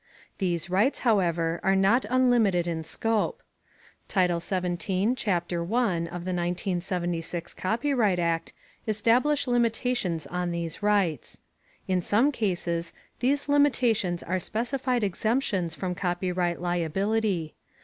These rights, however, are not unlimited in scope. Title 17, Chap 1 of the 1976 Copyright Act establish limitations on these rights. In some cases, these limitations are specified exemptions from copyright liability.